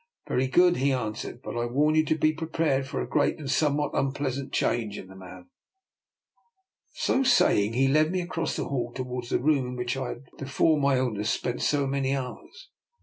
" Very good," he answered, " but I warn you to be prepared for a great and somewhat unpleasant change in the man." So saying, he led me across the hall to wards the room in which I had, before my ill ness, spent so many hours.